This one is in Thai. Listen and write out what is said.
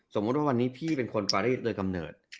สมมุติว่าวันนี้พี่เป็นคนกว่าได้เรียนตัวกำเนิด